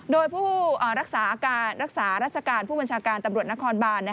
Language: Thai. โดยผู้รักษาการรักษาราชการผู้บัญชาการตำรวจนครบาน